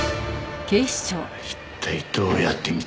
一体どうやって見つけたんだ？